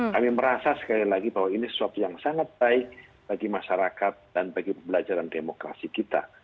kami merasa sekali lagi bahwa ini sesuatu yang sangat baik bagi masyarakat dan bagi pembelajaran demokrasi kita